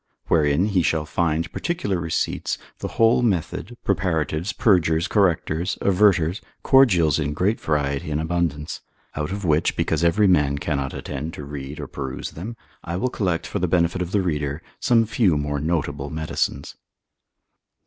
Wherein he shall find particular receipts, the whole method, preparatives, purgers, correctors, averters, cordials in great variety and abundance: out of which, because every man cannot attend to read or peruse them, I will collect for the benefit of the reader, some few more notable medicines.